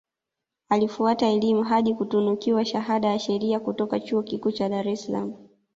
Alifuata elimu hadi kutunukiwa shahada ya Sheria kutoka Chuo Kikuu cha Dar es Salaam